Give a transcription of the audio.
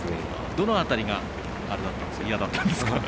どの辺りが嫌だったんですか？